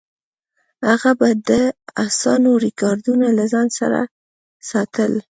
هغه به د اسونو ریکارډونه له ځان سره ساتل.